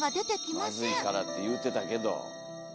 「まずいから」って言うてたけど。